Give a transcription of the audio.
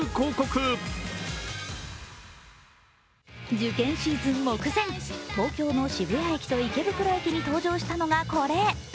受験シーズン目前、東京の渋谷駅と池袋駅に登場したのがこれ。